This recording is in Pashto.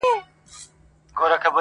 چي دا ستا معاش نو ولي نه ډيريږي,